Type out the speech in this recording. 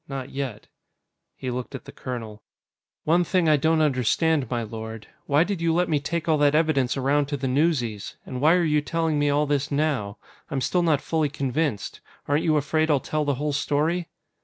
Not yet." He looked at the colonel. "One thing I don't understand, my lord. Why did you let me take all that evidence around to the newsies? And why are you telling me all this now? I'm still not fully convinced. Aren't you afraid I'll tell the whole story?"